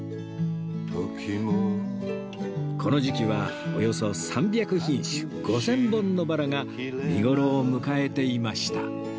この時期はおよそ３００品種５０００本のバラが見頃を迎えていました